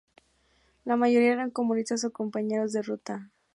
La mayoría eran comunistas o compañeros de ruta.